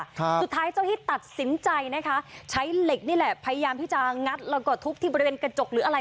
สุดท้ายเจ้าที่ตัดสินใจนะคะใช้เหล็กนี่แหละพยายามที่จะงัดแล้วก็ทุบที่บริเวณกระจกหรืออะไร